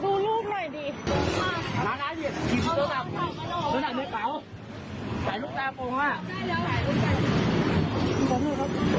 ถ่ายลูกตาโปรงอ่ะได้แล้วถ่ายลูกตาเอาออกมาเดี๋ยว